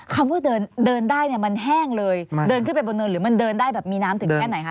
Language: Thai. คำว่าเดินเดินได้เนี่ยมันแห้งเลยเดินขึ้นไปบนเนินหรือมันเดินได้แบบมีน้ำถึงแค่ไหนคะ